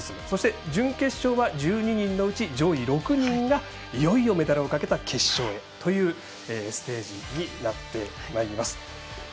そして、準決勝は１２人のうち１２人のうち上位６人がいよいよメダルをかけた決勝へというステージになってまいります。